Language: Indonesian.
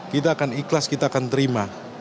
kita akan ikhlas kita akan terima